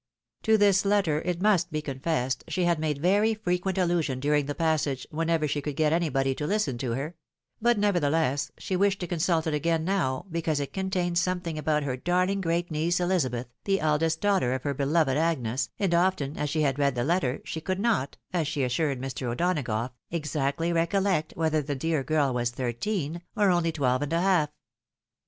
To this letter, it must be confessed, she had made very frequent allusion during the passage, whenever she could get anybody to listen to her ; but, nevertheless, she wished to consult it again now, because it contained something about her darhng great niece, Elizabeth, the eldest daughter of her beloved Agnes, and often as she had read the letter, she could not, as she assured Mr. O'Donagough, exactly recollect whether the dear girl was thirteen, or only twelve and a half.